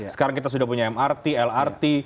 sekarang kita sudah punya mrt lrt